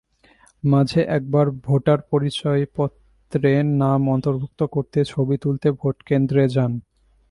মাঝে একবার ভোটার পরিচয়পত্রে নাম অন্তর্ভুক্ত করতে ছবি তুলতে ভোটকেন্দ্রে যান।